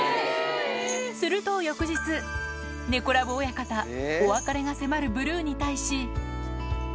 すると翌日、猫ＬＯＶＥ親方、お別れが迫るブルーに対し。